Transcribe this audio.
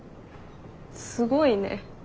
すごいね。